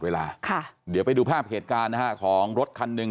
เวลาค่ะเดี๋ยวไปดูภาพเหตุการณ์นะฮะของรถคันหนึ่ง